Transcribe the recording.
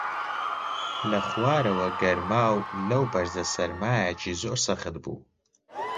لە خوارەوە گەرما و لەو بەرزە سەرمایەکی زۆر سەخت بوو